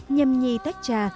nhằm nhì tách trà